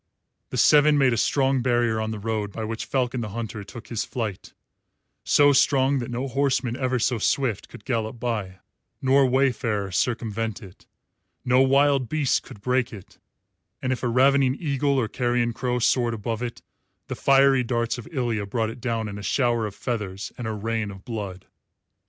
The seven made a strong barrier on the road by which Falcon the Hunter took his flight, so strong that no horseman ever so swift could gallop by, nor wayfarer circumvent it; no wild beast could break it, and if a ravening eagle or carrion crow soared above it the fiery darts of Ilya brought it down in a shower of feathers and a rain of blood.